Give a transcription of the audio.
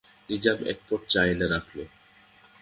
নিজাম এক পট চা এনে রাখল।